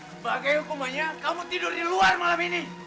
sebagai hukumannya kamu tidur di luar malam ini